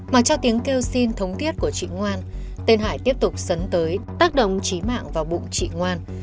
mà cho tiếng kêu xin thống tiết của chị ngoan tên hải tiếp tục sấn tới tác động trí mạng và bụng chị ngoan